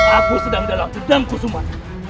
aku sedang dalam gedangku sumat